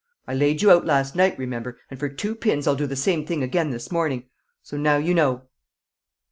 I laid you out last night, remember, and for two pins I'll do the same thing again this morning. So now you know."